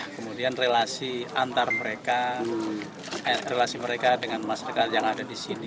kemudian relasi antar mereka relasi mereka dengan masyarakat yang ada di sini